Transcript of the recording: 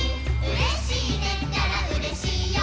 「うれしいねったらうれしいよ」